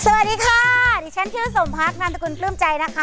สวัสดีค่ะชื่อสมภักรณ์นามตกลปลื้มใจ